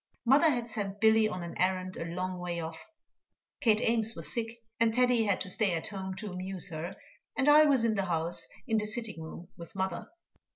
Mother had sent Billy on an errand a long way off, Kate Ames was sick, and Teddy had to stay at home to amuse her, and I was in the house, in the sitting room with mother.